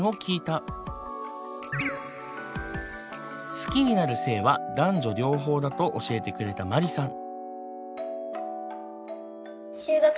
好きになる性は男女両方だと教えてくれたマリさん。